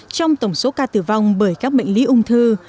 trong tổng số ca tử vong bởi các bệnh lý ung thư